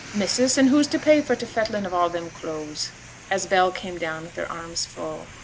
missus, and who's to pay for t' fettling of all them clothes?' as Bell came down with her arms full.